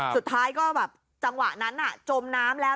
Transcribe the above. สุดท้ายก็แบบจังหวะนั้นจมน้ำแล้ว